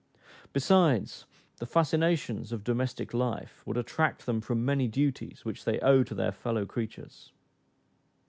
Besides, the fascinations of domestic life would attract them from many duties which they owe to their fellow creatures.